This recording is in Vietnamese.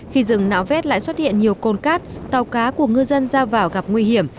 khi rừng nạo vét lại xuất hiện nhiều cồn cát tàu cá của ngư dân ra vào gặp nguy hiểm